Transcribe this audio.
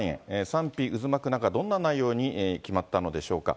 賛否渦巻く中、どんな内容に決まったのでしょうか。